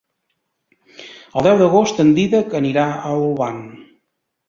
El deu d'agost en Dídac anirà a Olvan.